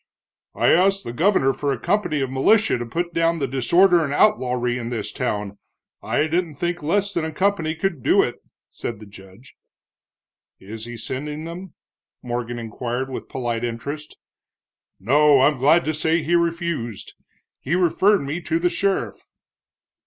"I asked the governor for a company of militia to put down the disorder and outlawry in this town I didn't think less than a company could do it," said the judge. "Is he sending them?" Morgan inquired with polite interest. "No, I'm glad to say he refused. He referred me to the sheriff."